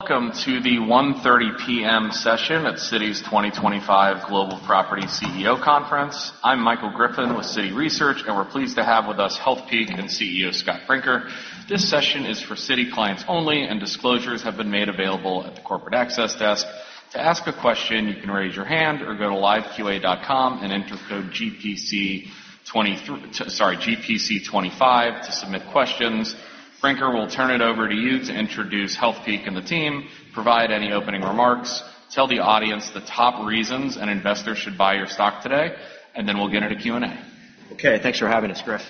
Welcome to the 1:30 P.M. session at Citi's 2025 Global Property CEO conference. I'm Michael Griffin with Citi Research, and we're pleased to have with us Healthpeak CEO Scott Brinker. This session is for Citi clients only, and disclosures have been made available at the corporate access desk. To ask a question, you can raise your hand or go to liveqa.com and enter code GPC25 to submit questions. Brinker, we'll turn it over to you to introduce Healthpeak and the team, provide any opening remarks, tell the audience the top reasons an investor should buy your stock today, and then we'll get into Q&A. Okay, thanks for having us, Griff.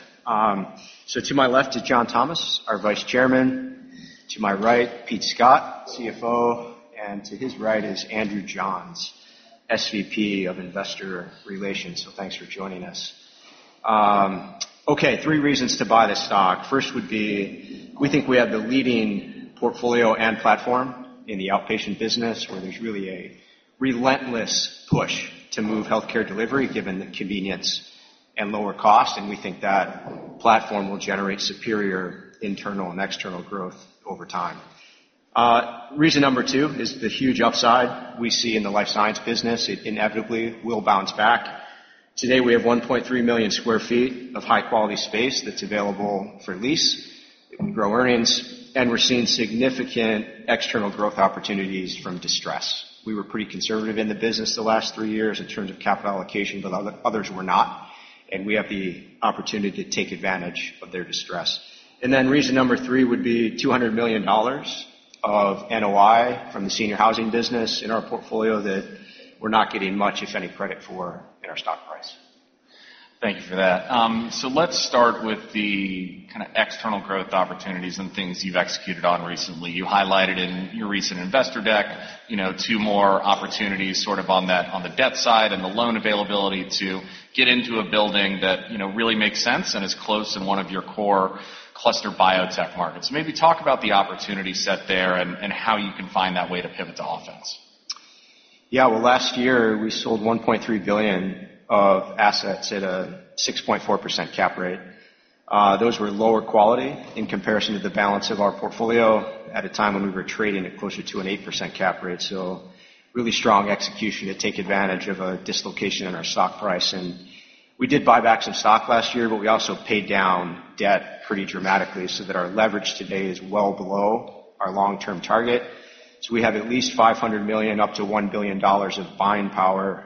So to my left is John Thomas, our Vice Chairman. To my right, Pete Scott, CFO, and to his right is Andrew Johns, SVP of Investor Relations. So thanks for joining us. Okay, three reasons to buy this stock. First would be we think we have the leading portfolio and platform in the outpatient business, where there's really a relentless push to move healthcare delivery given convenience and lower cost. And we think that platform will generate superior internal and external growth over time. Reason number two is the huge upside we see in the life science business. It inevitably will bounce back. Today, we have 1.3 million sq ft of high-quality space that's available for lease. It will grow earnings, and we're seeing significant external growth opportunities from distress. We were pretty conservative in the business the last three years in terms of capital allocation, but others were not. And we have the opportunity to take advantage of their distress. And then reason number three would be $200 million of NOI from the senior housing business in our portfolio that we're not getting much, if any, credit for in our stock price. Thank you for that. So let's start with the kind of external growth opportunities and things you've executed on recently. You highlighted in your recent investor deck, you know, two more opportunities sort of on the debt side and the loan availability to get into a building that really makes sense and is close in one of your core cluster biotech markets. Maybe talk about the opportunity set there and how you can find that way to pivot to offense. Yeah, well, last year we sold $1.3 billion of assets at a 6.4% cap rate. Those were lower quality in comparison to the balance of our portfolio at a time when we were trading at closer to an 8% cap rate. So really strong execution to take advantage of a dislocation in our stock price. And we did buy back some stock last year, but we also paid down debt pretty dramatically so that our leverage today is well below our long-term target. So we have at least $500 million-$1 billion of buying power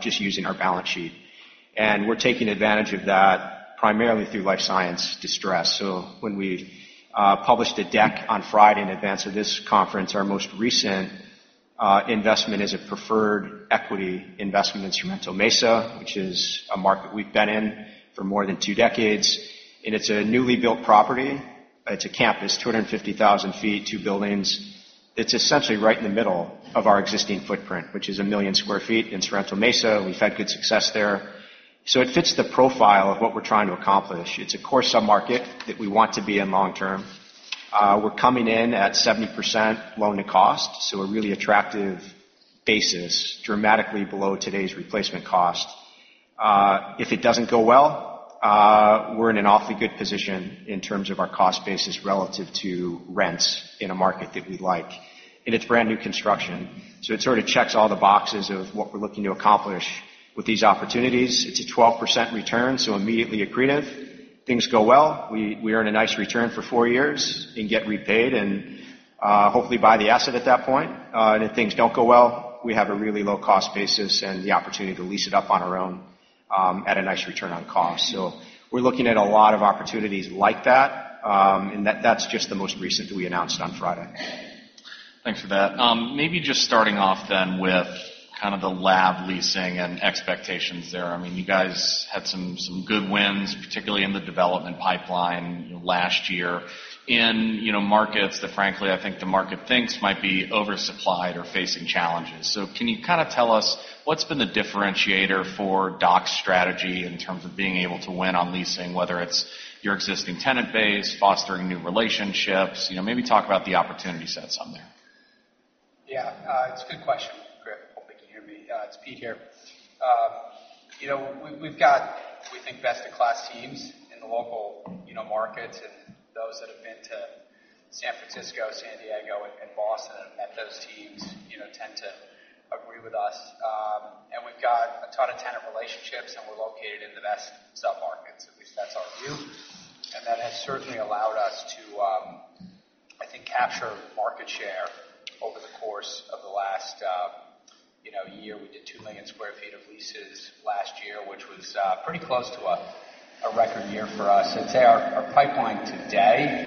just using our balance sheet. And we're taking advantage of that primarily through life science distress. So when we published a deck on Friday in advance of this conference, our most recent investment is a preferred equity investment instrument, Sorrento Mesa, which is a market we've been in for more than two decades. It's a newly built property. It's a campus, 250,000 sq ft, two buildings. It's essentially right in the middle of our existing footprint, which is 1 million sq ft in Sorrento Mesa. We've had good success there. It fits the profile of what we're trying to accomplish. It's a core sub-market that we want to be in long-term. We're coming in at 70% loan to cost, so a really attractive basis, dramatically below today's replacement cost. If it doesn't go well, we're in an awfully good position in terms of our cost basis relative to rents in a market that we like. It's brand new construction, so it sort of checks all the boxes of what we're looking to accomplish with these opportunities. It's a 12% return, so immediately accretive. Things go well, we earn a nice return for four years and get repaid and hopefully buy the asset at that point, and if things don't go well, we have a really low cost basis and the opportunity to lease it up on our own at a nice return on cost, so we're looking at a lot of opportunities like that, and that's just the most recent that we announced on Friday. Thanks for that. Maybe just starting off then with kind of the lab leasing and expectations there. I mean, you guys had some good wins, particularly in the development pipeline last year in markets that, frankly, I think the market thinks might be oversupplied or facing challenges. So can you kind of tell us what's been the differentiator for DOC's strategy in terms of being able to win on leasing, whether it's your existing tenant base, fostering new relationships? Maybe talk about the opportunity sets on there. Yeah, it's a good question, Griff. Hope they can hear me. It's Pete here. You know, we've got, we think, best of class teams in the local markets and those that have been to San Francisco, San Diego, and Boston and met those teams tend to agree with us. And we've got a ton of tenant relationships, and we're located in the best sub-markets. At least that's our view. And that has certainly allowed us to, I think, capture market share over the course of the last year. We did 2 million sq ft of leases last year, which was pretty close to a record year for us. I'd say our pipeline today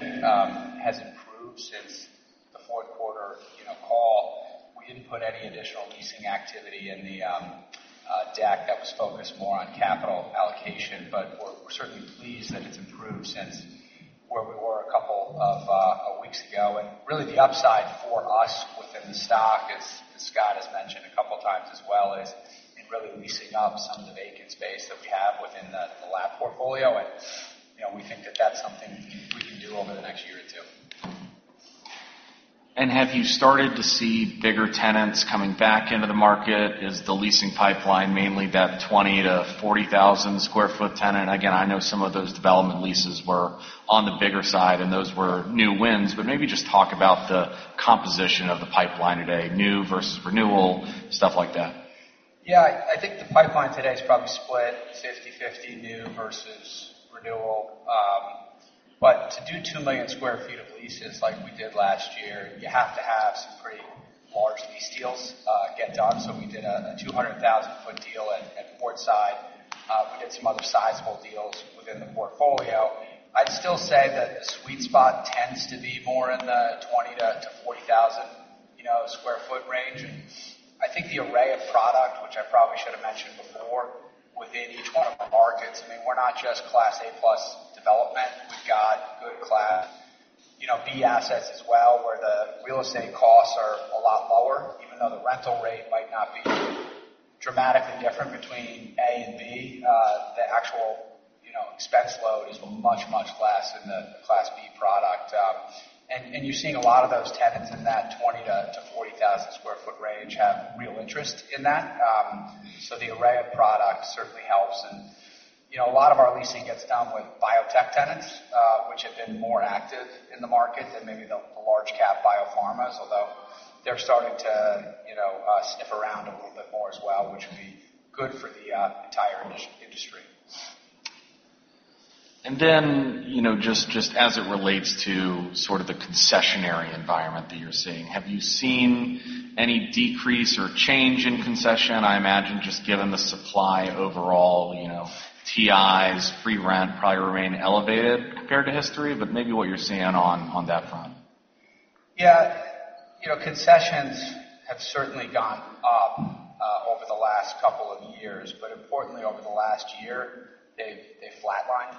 has improved since the fourth quarter call. We didn't put any additional leasing activity in the deck that was focused more on capital allocation, but we're certainly pleased that it's improved since where we were a couple of weeks ago, and really the upside for us within the stock, as Scott has mentioned a couple of times as well, is in really leasing up some of the vacant space that we have within the lab portfolio, and we think that that's something we can do over the next year or two. Have you started to see bigger tenants coming back into the market? Is the leasing pipeline mainly that 20,000 sq ft-40,000 sq ft tenant? Again, I know some of those development leases were on the bigger side, and those were new wins. But maybe just talk about the composition of the pipeline today, new versus renewal, stuff like that. Yeah, I think the pipeline today is probably split 50/50, new versus renewal. But to do 2 million sq ft of leases like we did last year, you have to have some pretty large lease deals get done. So we did a 200,000 sq ft deal at the Portside. We did some other sizable deals within the portfolio. I'd still say that the sweet spot tends to be more in the 20,000 sq ft-40,000 sq ft range. And I think the array of product, which I probably should have mentioned before within each one of our markets, I mean, we're not just class A+ development. We've got good class B assets as well, where the real estate costs are a lot lower, even though the rental rate might not be dramatically different between A and B. The actual expense load is much, much less in the class B product. And you're seeing a lot of those tenants in that 20,000 sq ft-40,000 sq ft range have real interest in that. So the array of product certainly helps. And a lot of our leasing gets done with biotech tenants, which have been more active in the market than maybe the large cap biopharmas, although they're starting to sniff around a little bit more as well, which would be good for the entire industry. And then just as it relates to sort of the concessions environment that you're seeing, have you seen any decrease or change in concessions? I imagine, just given the supply overall, TIs, free rent probably remain elevated compared to history, but maybe what you're seeing on that front. Yeah, concessions have certainly gone up over the last couple of years, but importantly, over the last year, they've flatlined.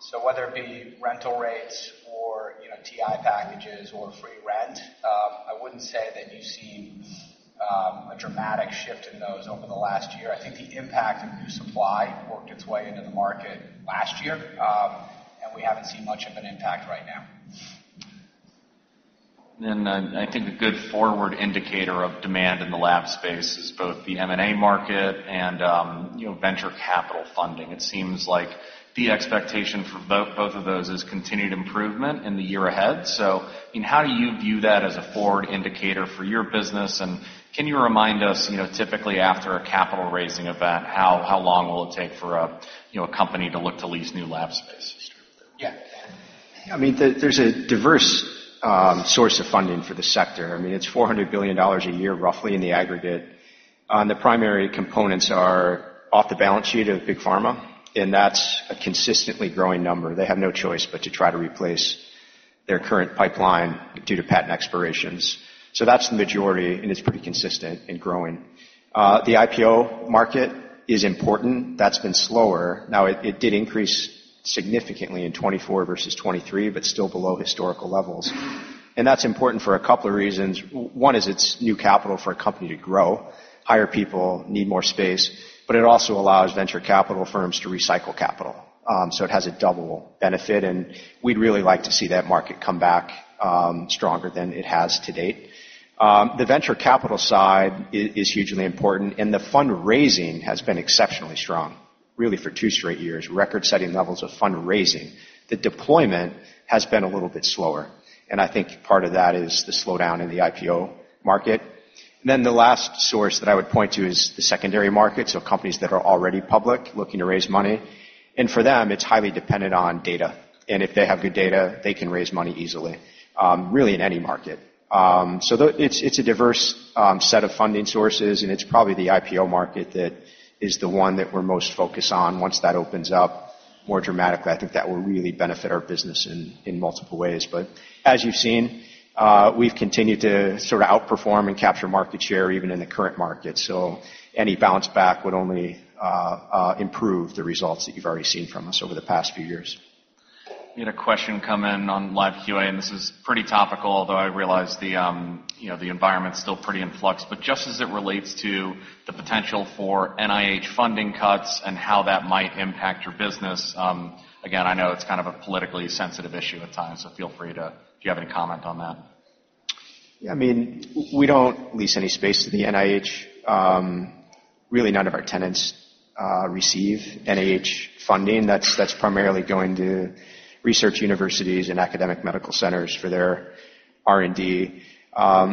So whether it be rental rates or TI packages or free rent, I wouldn't say that you've seen a dramatic shift in those over the last year. I think the impact of new supply worked its way into the market last year, and we haven't seen much of an impact right now. And then I think a good forward indicator of demand in the lab space is both the M&A market and venture capital funding. It seems like the expectation for both of those is continued improvement in the year ahead. So how do you view that as a forward indicator for your business? And can you remind us, typically after a capital raising event, how long will it take for a company to look to lease new lab space? Yeah. I mean, there's a diverse source of funding for the sector. I mean, it's $400 billion a year roughly in the aggregate. And the primary components are off the balance sheet of Big Pharma, and that's a consistently growing number. They have no choice but to try to replace their current pipeline due to patent expirations. So that's the majority, and it's pretty consistent in growing. The IPO market is important. That's been slower. Now, it did increase significantly in 2024 versus 2023, but still below historical levels. And that's important for a couple of reasons. One is it's new capital for a company to grow. Hiring people need more space, but it also allows venture capital firms to recycle capital. So it has a double benefit, and we'd really like to see that market come back stronger than it has to date. The venture capital side is hugely important, and the fundraising has been exceptionally strong, really for two straight years, record-setting levels of fundraising. The deployment has been a little bit slower, and I think part of that is the slowdown in the IPO market and then the last source that I would point to is the secondary market, so companies that are already public looking to raise money, and for them, it's highly dependent on data, and if they have good data, they can raise money easily, really in any market, so it's a diverse set of funding sources, and it's probably the IPO market that is the one that we're most focused on. Once that opens up more dramatically, I think that will really benefit our business in multiple ways, but as you've seen, we've continued to sort of outperform and capture market share even in the current market. Any bounce back would only improve the results that you've already seen from us over the past few years. We had a question come in on live QA, and this is pretty topical, although I realize the environment's still pretty in flux. But just as it relates to the potential for NIH funding cuts and how that might impact your business, again, I know it's kind of a politically sensitive issue at times, so feel free to, if you have any comment on that. Yeah, I mean, we don't lease any space to the NIH. Really, none of our tenants receive NIH funding. That's primarily going to research universities and academic medical centers for their R&D.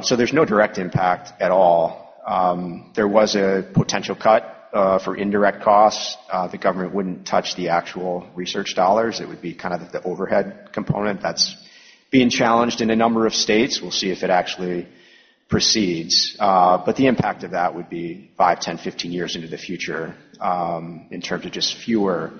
So there's no direct impact at all. There was a potential cut for indirect costs. The government wouldn't touch the actual research dollars. It would be kind of the overhead component that's being challenged in a number of states. We'll see if it actually proceeds. But the impact of that would be five, 10, 15 years into the future in terms of just fewer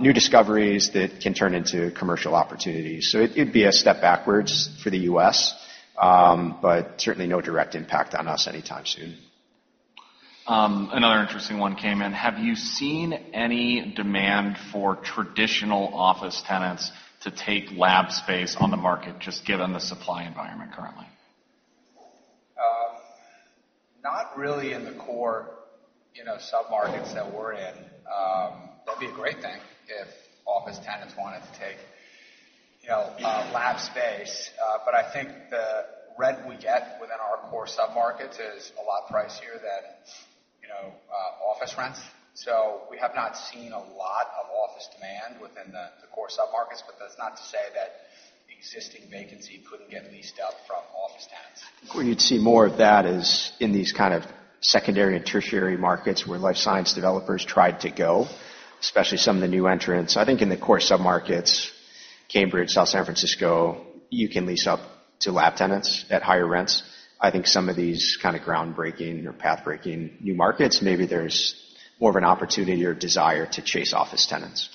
new discoveries that can turn into commercial opportunities. So it'd be a step backwards for the U.S., but certainly no direct impact on us anytime soon. Another interesting one came in. Have you seen any demand for traditional office tenants to take lab space on the market, just given the supply environment currently? Not really in the core sub-markets that we're in. That'd be a great thing if office tenants wanted to take lab space. But I think the rent we get within our core sub-markets is a lot pricier than office rents. So we have not seen a lot of office demand within the core sub-markets, but that's not to say that existing vacancy couldn't get leased up from office tenants. Where you'd see more of that is in these kind of secondary and tertiary markets where life science developers tried to go, especially some of the new entrants. I think in the core sub-markets, Cambridge, South San Francisco, you can lease up to lab tenants at higher rents. I think some of these kind of groundbreaking or pathbreaking new markets, maybe there's more of an opportunity or desire to chase office tenants.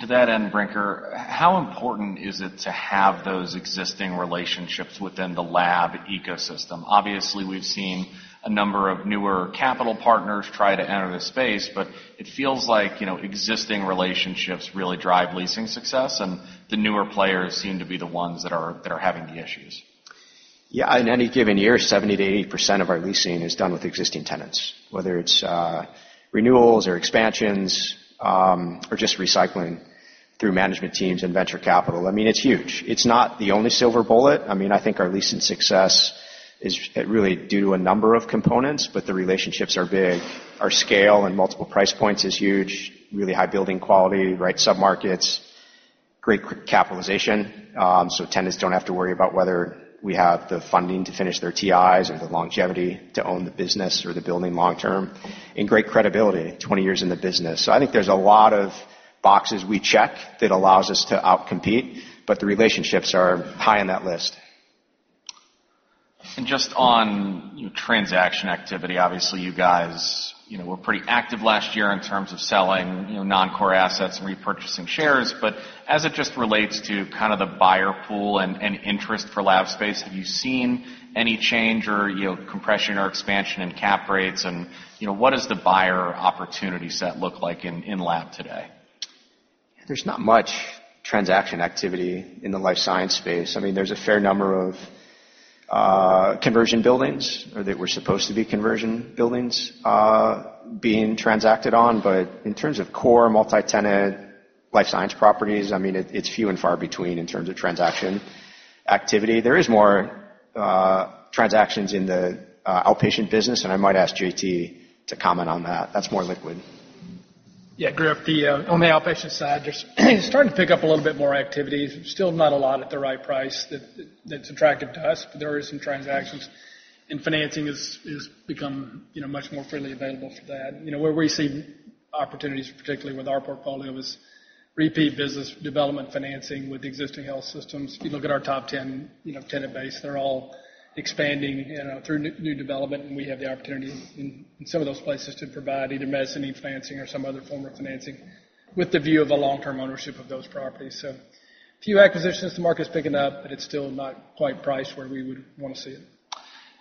To that end, Brinker, how important is it to have those existing relationships within the lab ecosystem? Obviously, we've seen a number of newer capital partners try to enter the space, but it feels like existing relationships really drive leasing success, and the newer players seem to be the ones that are having the issues. Yeah, in any given year, 70%-80% of our leasing is done with existing tenants, whether it's renewals or expansions or just recycling through management teams and venture capital. I mean, it's huge. It's not the only silver bullet. I mean, I think our leasing success is really due to a number of components, but the relationships are big. Our scale and multiple price points is huge, really high building quality, right sub-markets, great capitalization. So tenants don't have to worry about whether we have the funding to finish their TIs or the longevity to own the business or the building long-term and great credibility, 20 years in the business. So I think there's a lot of boxes we check that allows us to outcompete, but the relationships are high on that list. And just on transaction activity, obviously, you guys were pretty active last year in terms of selling non-core assets and repurchasing shares. But as it just relates to kind of the buyer pool and interest for lab space, have you seen any change or compression or expansion in cap rates? And what does the buyer opportunity set look like in lab today? There's not much transaction activity in the life science space. I mean, there's a fair number of conversion buildings or that were supposed to be conversion buildings being transacted on. But in terms of core multi-tenant life science properties, I mean, it's few and far between in terms of transaction activity. There is more transactions in the outpatient business, and I might ask JT to comment on that. That's more liquid. Yeah, Griff, on the outpatient side, it's starting to pick up a little bit more activity. Still not a lot at the right price that's attractive to us, but there are some transactions, and financing has become much more freely available for that. Where we see opportunities, particularly with our portfolio, is repeat business development financing with existing health systems. If you look at our top 10 tenant base, they're all expanding through new development, and we have the opportunity in some of those places to provide either mezzanine financing or some other form of financing with the view of a long-term ownership of those properties. So, a few acquisitions, the market's picking up, but it's still not quite priced where we would want to see it.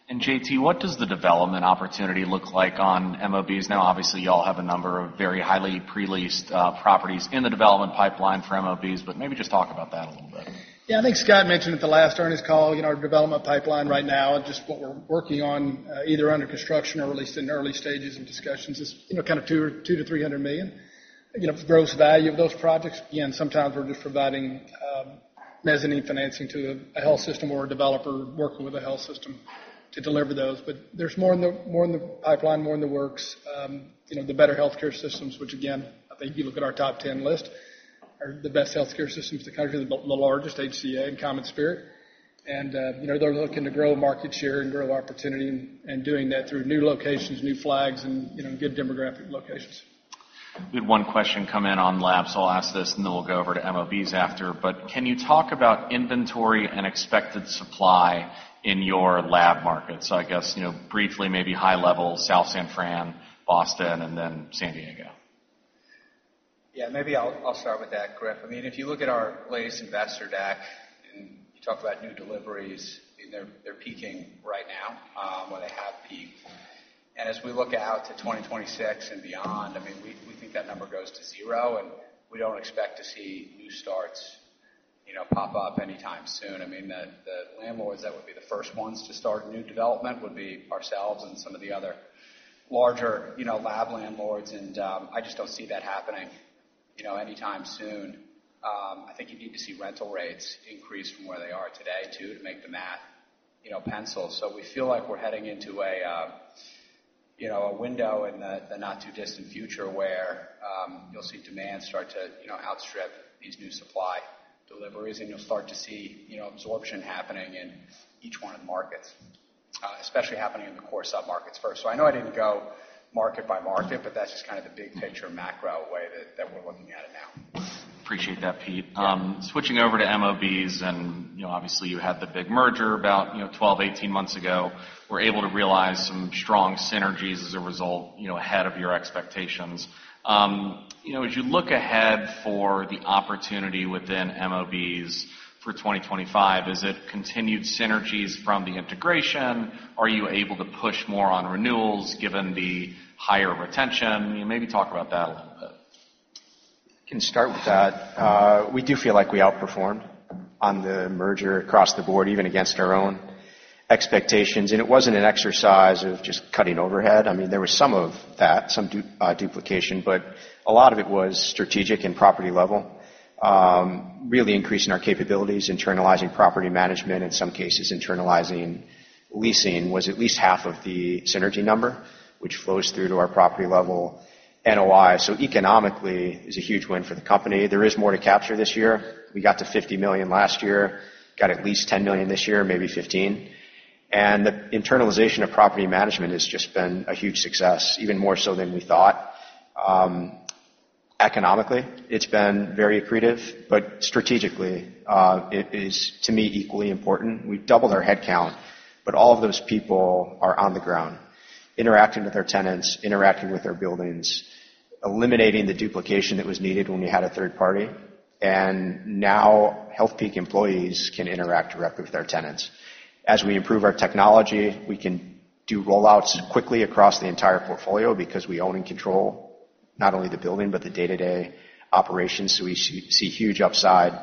JT, what does the development opportunity look like on MOBs now? Obviously, y'all have a number of very highly pre-leased properties in the development pipeline for MOBs, but maybe just talk about that a little bit. Yeah, I think Scott mentioned at the last earnings call, our development pipeline right now and just what we're working on, either under construction or at least in early stages of discussions, is kind of $200 million-$300 million gross value of those projects. Again, sometimes we're just providing mezzanine financing to a health system or a developer working with a health system to deliver those. But there's more in the pipeline, more in the works, the better healthcare systems, which again, I think if you look at our top 10 list, are the best healthcare systems in the country, the largest, HCA and CommonSpirit. And they're looking to grow market share and grow opportunity and doing that through new locations, new flags, and good demographic locations. We had one question come in on labs. I'll ask this and then we'll go over to MOBs after. But can you talk about inventory and expected supply in your lab markets? So I guess briefly, maybe high level, South San Fran, Boston, and then San Diego. Yeah, maybe I'll start with that, Griff. I mean, if you look at our latest investor deck and you talk about new deliveries, they're peaking right now where they have peaked. And as we look out to 2026 and beyond, I mean, we think that number goes to zero, and we don't expect to see new starts pop up anytime soon. I mean, the landlords that would be the first ones to start new development would be ourselves and some of the other larger lab landlords. And I just don't see that happening anytime soon. I think you need to see rental rates increase from where they are today too to make the math pencil. So we feel like we're heading into a window in the not too distant future where you'll see demand start to outstrip these new supply deliveries, and you'll start to see absorption happening in each one of the markets, especially happening in the core sub-markets first. So I know I didn't go market by market, but that's just kind of the big picture macro way that we're looking at it now. Appreciate that, Pete. Switching over to MOBs, and obviously you had the big merger about 12 months-18 months ago. We're able to realize some strong synergies as a result ahead of your expectations. As you look ahead for the opportunity within MOBs for 2025, is it continued synergies from the integration? Are you able to push more on renewals given the higher retention? Maybe talk about that a little bit. I can start with that. We do feel like we outperformed on the merger across the board, even against our own expectations, and it wasn't an exercise of just cutting overhead. I mean, there was some of that, some duplication, but a lot of it was strategic and property level. Really increasing our capabilities, internalizing property management, in some cases internalizing leasing was at least half of the synergy number, which flows through to our property level NOI, so economically, it's a huge win for the company. There is more to capture this year. We got to $50 million last year, got at least $10 million this year, maybe $15 million, and the internalization of property management has just been a huge success, even more so than we thought. Economically, it's been very accretive, but strategically, it is, to me, equally important. We doubled our headcount, but all of those people are on the ground, interacting with their tenants, interacting with their buildings, eliminating the duplication that was needed when we had a third party. And now Healthpeak employees can interact directly with our tenants. As we improve our technology, we can do rollouts quickly across the entire portfolio because we own and control not only the building, but the day-to-day operations. So we see huge upside.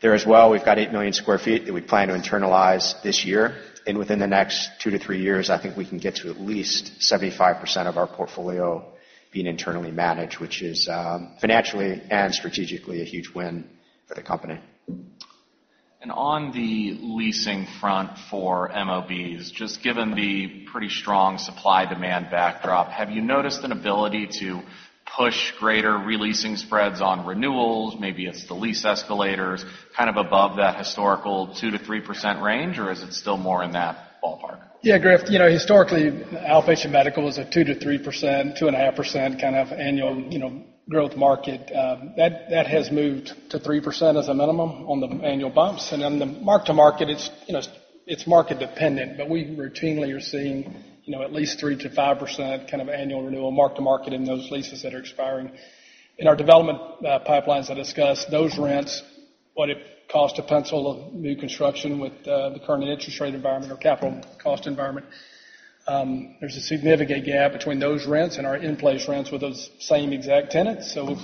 There as well, we've got 8 million sq ft that we plan to internalize this year. And within the next two to three years, I think we can get to at least 75% of our portfolio being internally managed, which is financially and strategically a huge win for the company. On the leasing front for MOBs, just given the pretty strong supply-demand backdrop, have you noticed an ability to push greater releasing spreads on renewals? Maybe it's the lease escalators kind of above that historical 2%-3% range, or is it still more in that ballpark? Yeah, Griff, historically, outpatient medical was a 2%-3%, 2.5% kind of annual growth market. That has moved to 3% as a minimum on the annual bumps. And then the mark-to-market, it's market dependent, but we routinely are seeing at least 3%-5% kind of annual renewal mark-to-market in those leases that are expiring. In our development pipelines I discussed, those rents, what it costs to pencil a new construction with the current interest rate environment or capital cost environment, there's a significant gap between those rents and our in-place rents with those same exact tenants. So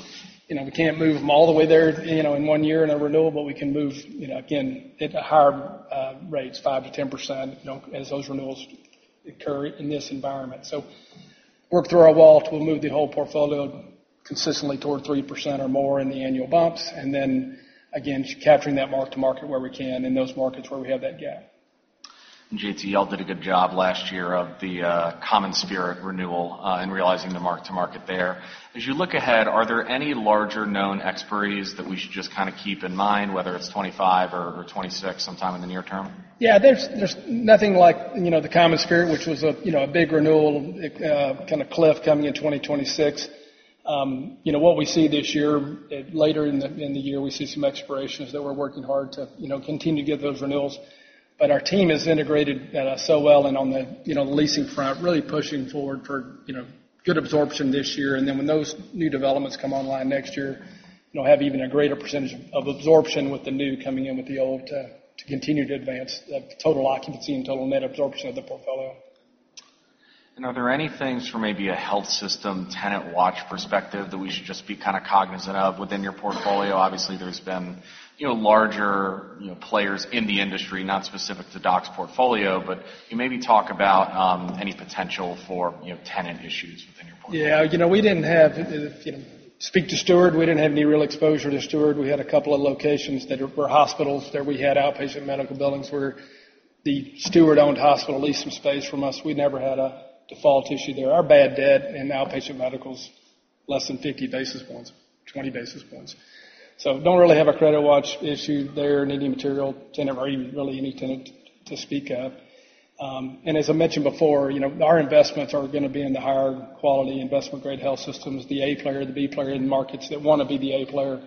we can't move them all the way there in one year in a renewal, but we can move, again, at higher rates, 5%-10% as those renewals occur in this environment. So work through our WAL to move the whole portfolio consistently toward 3% or more in the annual bumps, and then again, capturing that mark-to-market where we can in those markets where we have that gap. JT, y'all did a good job last year of the CommonSpirit renewal and realizing the mark-to-market there. As you look ahead, are there any larger known expiries that we should just kind of keep in mind, whether it's 2025 or 2026 sometime in the near term? Yeah, there's nothing like the CommonSpirit, which was a big renewal kind of cliff coming in 2026. What we see this year, later in the year, we see some expirations that we're working hard to continue to get those renewals. But our team has integrated so well and on the leasing front, really pushing forward for good absorption this year. And then when those new developments come online next year, we'll have even a greater percentage of absorption with the new coming in with the old to continue to advance the total occupancy and total net absorption of the portfolio. Are there any things from maybe a health system tenant watch perspective that we should just be kind of cognizant of within your portfolio? Obviously, there's been larger players in the industry, not specific to DOC's portfolio, but maybe talk about any potential for tenant issues within your portfolio. Yeah, we didn't have exposure to Steward. We didn't have any real exposure to Steward. We had a couple of locations that were hospitals that we had outpatient medical buildings where the Steward-owned hospital leased some space from us. We never had a default issue there. Our bad debt in outpatient medical is less than 50 basis points, 20 basis points. So don't really have a credit watch issue there in any material tenant or even really any tenant to speak of. And as I mentioned before, our investments are going to be in the higher quality investment-grade health systems, the A player, the B player in the markets that want to be the A player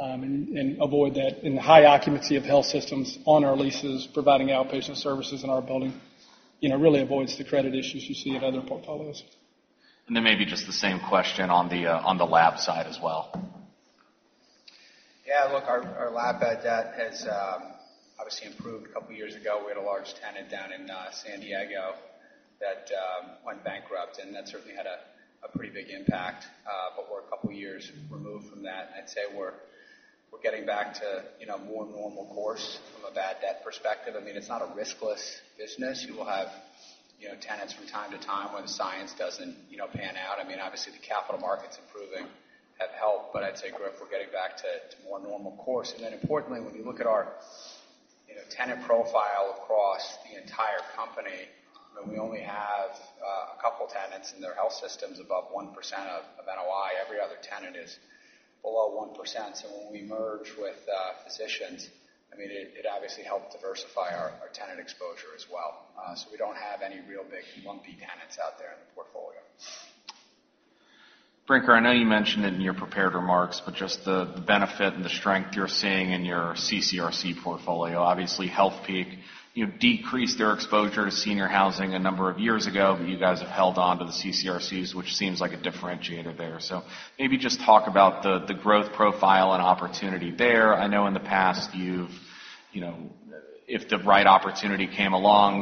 and avoid that in the high occupancy of health systems on our leases, providing outpatient services in our building really avoids the credit issues you see in other portfolios. And then maybe just the same question on the lab side as well. Yeah, look, our lab bad debt has obviously improved a couple of years ago. We had a large tenant down in San Diego that went bankrupt, and that certainly had a pretty big impact, but we're a couple of years removed from that. I'd say we're getting back to more normal course from a bad debt perspective. I mean, it's not a riskless business. You will have tenants from time to time where the science doesn't pan out. I mean, obviously, the capital markets improving have helped, but I'd say, Griff, we're getting back to more normal course, and then importantly, when you look at our tenant profile across the entire company, we only have a couple of tenants in their health systems above 1% of NOI. Every other tenant is below 1%. So when we merge with Physicians, I mean, it obviously helped diversify our tenant exposure as well. We don't have any real big lumpy tenants out there in the portfolio. Brinker, I know you mentioned it in your prepared remarks, but just the benefit and the strength you're seeing in your CCRC portfolio. Obviously, Healthpeak decreased their exposure to senior housing a number of years ago, but you guys have held on to the CCRCs, which seems like a differentiator there. So maybe just talk about the growth profile and opportunity there. I know in the past, if the right opportunity came along,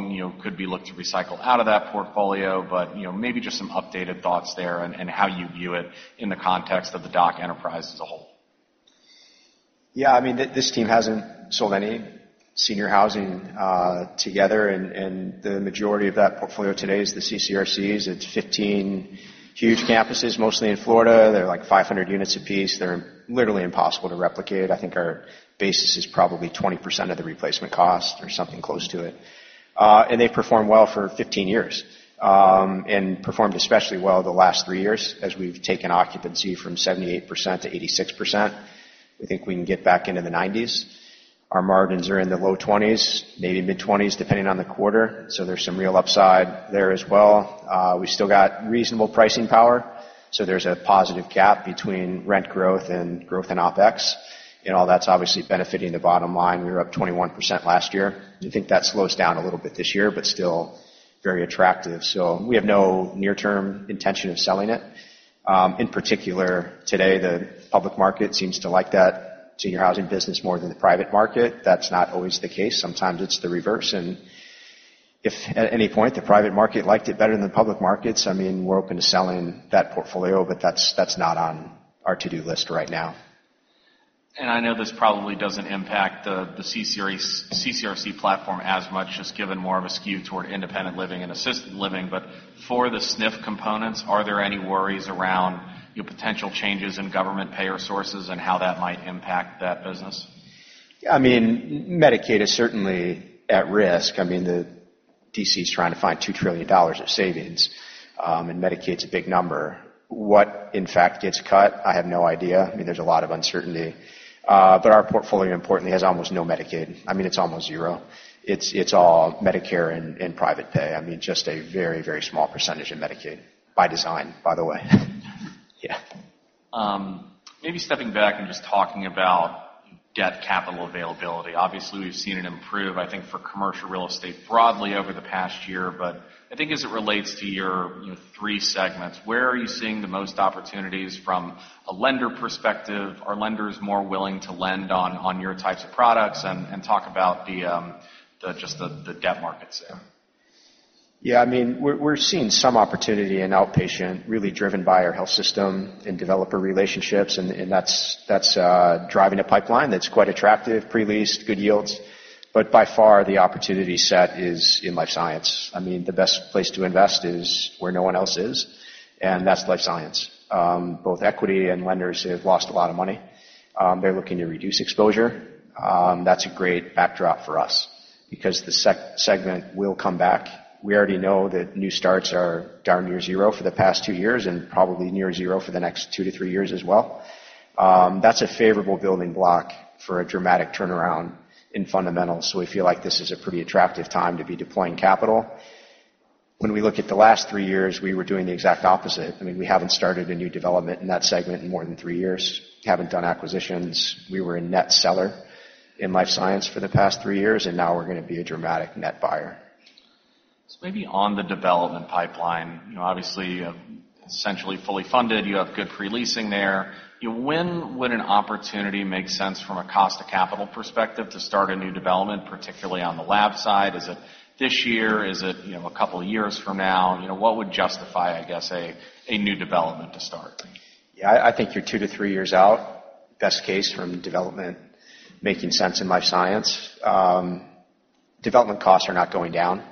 could be looked to recycle out of that portfolio, but maybe just some updated thoughts there and how you view it in the context of the DOC enterprise as a whole. Yeah, I mean, this team hasn't sold any senior housing together, and the majority of that portfolio today is the CCRCs. It's 15 huge campuses, mostly in Florida. They're like 500 units apiece. They're literally impossible to replicate. I think our basis is probably 20% of the replacement cost or something close to it. And they performed well for 15 years and performed especially well the last three years as we've taken occupancy from 78%-86%. We think we can get back into the 90s. Our margins are in the low 20s, maybe mid-20s, depending on the quarter. So there's some real upside there as well. We still got reasonable pricing power. So there's a positive gap between rent growth and growth in OpEx, and all that's obviously benefiting the bottom line. We were up 21% last year. I think that slows down a little bit this year, but still very attractive. So we have no near-term intention of selling it. In particular, today, the public market seems to like that senior housing business more than the private market. That's not always the case. Sometimes it's the reverse, and if at any point the private market liked it better than the public markets, I mean, we're open to selling that portfolio, but that's not on our to-do list right now. And I know this probably doesn't impact the CCRC platform as much, just given more of a skew toward independent living and assisted living. But for the SNF components, are there any worries around potential changes in government payer sources and how that might impact that business? Yeah, I mean, Medicaid is certainly at risk. I mean, the D.C. is trying to find $2 trillion of savings, and Medicaid's a big number. What in fact gets cut, I have no idea. I mean, there's a lot of uncertainty. But our portfolio importantly has almost no Medicaid. I mean, it's almost zero. It's all Medicare and private pay. I mean, just a very, very small percentage of Medicaid by design, by the way. Yeah. Maybe stepping back and just talking about debt capital availability. Obviously, we've seen it improve, I think, for commercial real estate broadly over the past year. But I think as it relates to your three segments, where are you seeing the most opportunities from a lender perspective? Are lenders more willing to lend on your types of products? And talk about just the debt markets there. Yeah, I mean, we're seeing some opportunity in outpatient really driven by our health system and developer relationships, and that's driving a pipeline that's quite attractive, pre-leased, good yields, but by far, the opportunity set is in life science. I mean, the best place to invest is where no one else is, and that's life science. Both equity and lenders have lost a lot of money. They're looking to reduce exposure. That's a great backdrop for us because the segment will come back. We already know that new starts are down near zero for the past two years and probably near zero for the next two to three years as well. That's a favorable building block for a dramatic turnaround in fundamentals, so we feel like this is a pretty attractive time to be deploying capital. When we look at the last three years, we were doing the exact opposite. I mean, we haven't started a new development in that segment in more than three years. Haven't done acquisitions. We were a net seller in life science for the past three years, and now we're going to be a dramatic net buyer. So maybe on the development pipeline, obviously essentially fully funded, you have good pre-leasing there. When would an opportunity make sense from a cost of capital perspective to start a new development, particularly on the lab side? Is it this year? Is it a couple of years from now? What would justify, I guess, a new development to start? Yeah, I think you're two to three years out, best case, from development making sense in life science. Development costs are not going down.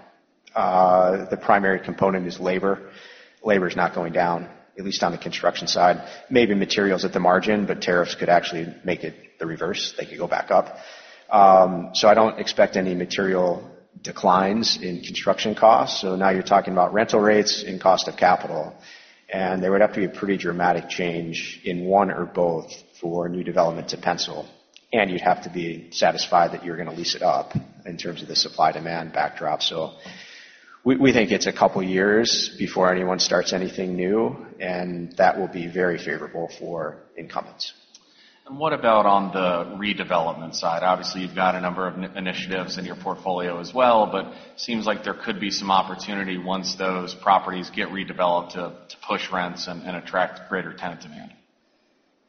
The primary component is labor. Labor is not going down, at least on the construction side. Maybe materials at the margin, but tariffs could actually make it the reverse. They could go back up. So I don't expect any material declines in construction costs. So now you're talking about rental rates and cost of capital. And there would have to be a pretty dramatic change in one or both for new development to pencil. And you'd have to be satisfied that you're going to lease it up in terms of the supply-demand backdrop. So we think it's a couple of years before anyone starts anything new, and that will be very favorable for incumbents. And what about on the redevelopment side? Obviously, you've got a number of initiatives in your portfolio as well, but it seems like there could be some opportunity once those properties get redeveloped to push rents and attract greater tenant demand.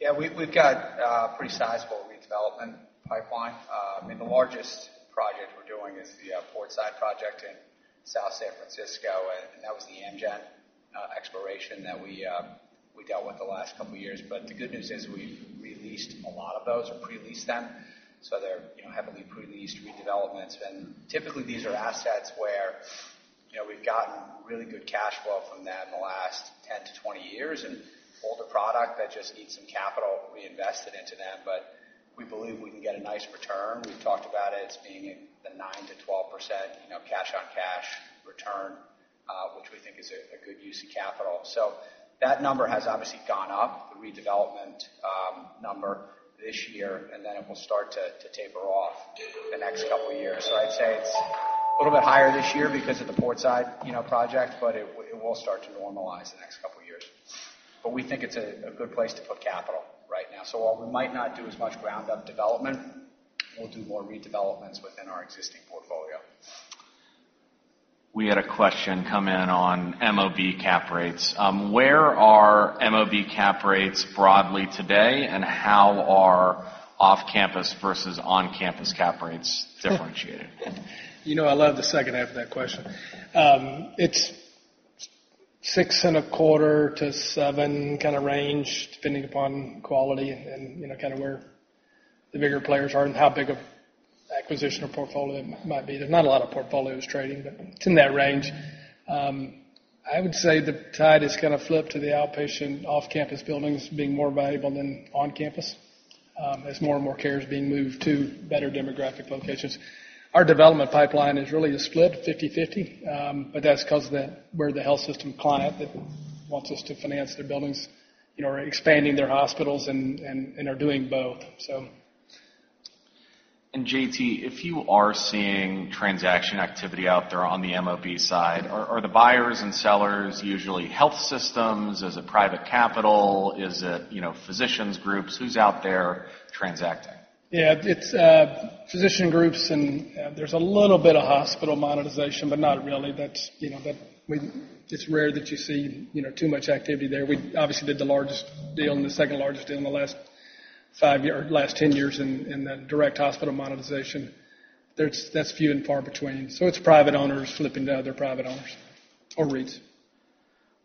Yeah, we've got a pretty sizable redevelopment pipeline. I mean, the largest project we're doing is the Portside project in South San Francisco, and that was the Amgen expansion that we dealt with the last couple of years. But the good news is we've released a lot of those or pre-leased them. So they're heavily pre-leased redevelopments, and typically, these are assets where we've gotten really good cash flow from them the last 10 to 20 years and older product that just needs some capital reinvested into them. But we believe we can get a nice return. We've talked about it as being the 9%-12% cash-on-cash return, which we think is a good use of capital. So that number has obviously gone up, the redevelopment number this year, and then it will start to taper off the next couple of years. So I'd say it's a little bit higher this year because of the Portside project, but it will start to normalize the next couple of years. But we think it's a good place to put capital right now. So while we might not do as much ground-up development, we'll do more redevelopments within our existing portfolio. We had a question come in on MOB cap rates. Where are MOB cap rates broadly today, and how are off-campus versus on-campus cap rates differentiated? You know, I love the second half of that question. It's 6.25%-7% kind of range, depending upon quality and kind of where the bigger players are and how big of acquisition or portfolio might be. There's not a lot of portfolios trading, but it's in that range. I would say the tide has kind of flipped to the outpatient off-campus buildings being more valuable than on-campus. As more and more care is being moved to better demographic locations, our development pipeline is really a split 50/50, but that's because of where the health system client that wants us to finance their buildings are expanding their hospitals and are doing both, so. JT, if you are seeing transaction activity out there on the MOB side, are the buyers and sellers usually health systems? Is it private capital? Is it physicians' groups? Who's out there transacting? Yeah, it's physician groups, and there's a little bit of hospital monetization, but not really. It's rare that you see too much activity there. We obviously did the largest deal and the second largest deal in the last five or last 10 years in the direct hospital monetization. That's few and far between. So it's private owners flipping to other private owners or REITs.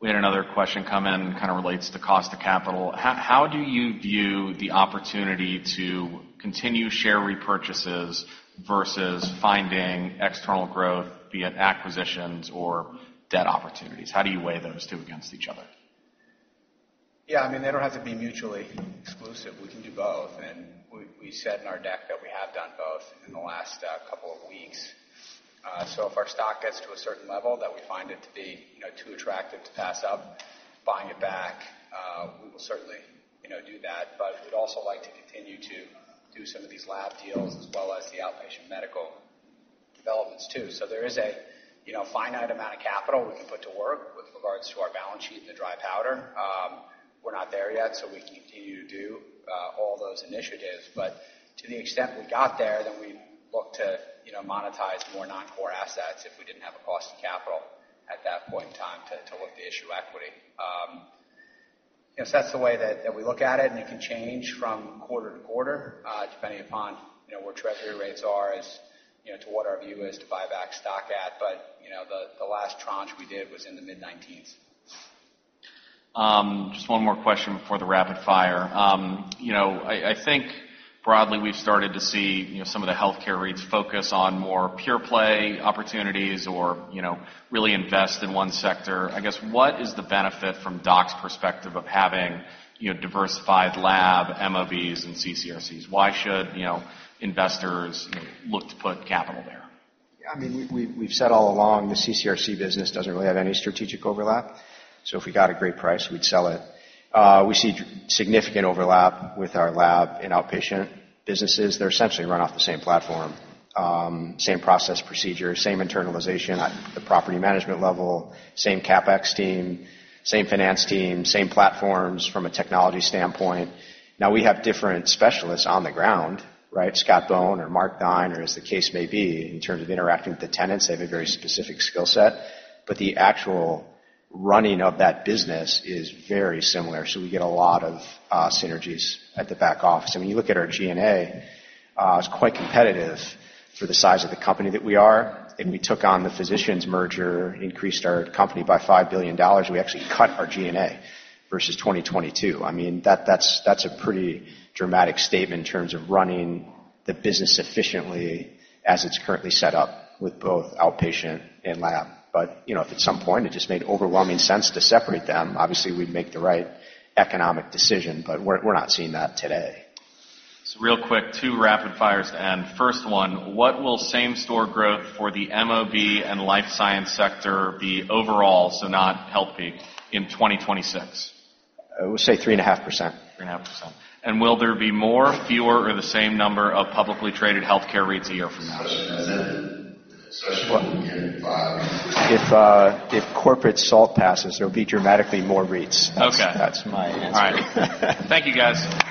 We had another question come in and kind of relates to cost of capital. How do you view the opportunity to continue share repurchases versus finding external growth via acquisitions or debt opportunities? How do you weigh those two against each other? Yeah, I mean, they don't have to be mutually exclusive. We can do both. And we said in our deck that we have done both in the last couple of weeks. So if our stock gets to a certain level that we find it to be too attractive to pass up, buying it back, we will certainly do that. But we'd also like to continue to do some of these lab deals as well as the outpatient medical developments too. So there is a finite amount of capital we can put to work with regards to our balance sheet and the dry powder. We're not there yet, so we can continue to do all those initiatives. But to the extent we got there, then we'd look to monetize more non-core assets if we didn't have a cost of capital at that point in time to look to issue equity. So that's the way that we look at it, and it can change from quarter to quarter depending upon where Treasury rates are as to what our view is to buy back stock at. But the last tranche we did was in the mid-19s. Just one more question before the rapid fire. I think broadly we've started to see some of the healthcare REITs focus on more pure play opportunities or really invest in one sector. I guess, what is the benefit from DOC's perspective of having diversified lab, MOBs, and CCRCs? Why should investors look to put capital there? I mean, we've said all along the CCRC business doesn't really have any strategic overlap. So if we got a great price, we'd sell it. We see significant overlap with our lab and outpatient businesses. They're essentially run off the same platform, same process procedure, same internalization, the property management level, same CapEx team, same finance team, same platforms from a technology standpoint. Now, we have different specialists on the ground, right? Scott Bohn or Mark Theine or as the case may be in terms of interacting with the tenants. They have a very specific skill set. But the actual running of that business is very similar. So we get a lot of synergies at the back office. I mean, you look at our G&A, it's quite competitive for the size of the company that we are. And we took on the physicians merger, increased our company by $5 billion. We actually cut our G&A versus 2022. I mean, that's a pretty dramatic statement in terms of running the business efficiently as it's currently set up with both outpatient and lab. But if at some point it just made overwhelming sense to separate them, obviously we'd make the right economic decision. But we're not seeing that today. Real quick, two rapid fires to end. First one, what will same-store growth for the MOB and Life Science sector be overall, so not Healthpeak, in 2026? I would say 3.5%. 3.5%. And will there be more, fewer, or the same number of publicly traded healthcare REITs a year from now? If Corporate SALT passes, there will be dramatically more REITs. That's my answer. All right. Thank you, guys.